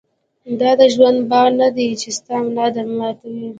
دا دژوند بار نۀ دی چې ستا ملا در ماتوي